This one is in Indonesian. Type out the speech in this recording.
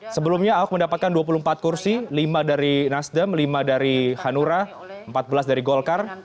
sebelumnya ahok mendapatkan dua puluh empat kursi lima dari nasdem lima dari hanura empat belas dari golkar